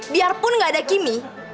biarpun nggak ada kimi